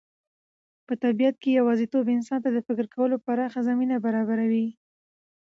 په طبیعت کې یوازېتوب انسان ته د فکر کولو پراخه زمینه برابروي.